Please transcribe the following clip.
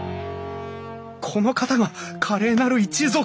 この方が華麗なる一族！